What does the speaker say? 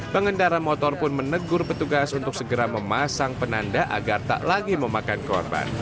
pengendara motor pun menegur petugas untuk segera memasang penanda agar tak lagi memakan korban